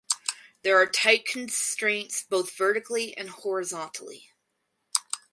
There are tight constraints both vertically and horizontally.